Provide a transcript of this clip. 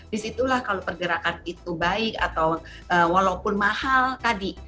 disitulah kalau pergerakan itu baik atau walaupun mahal tadi